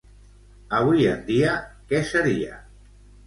Avui en dia què seria?